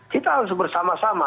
kita harus bersama sama